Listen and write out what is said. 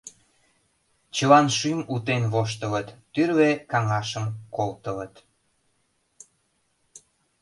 Чылан шӱм утен воштылыт, тӱрлӧ каҥашым колтылыт.